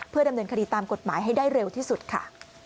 ดำเนินคดีตามกฎหมายให้ได้เร็วที่สุดค่ะ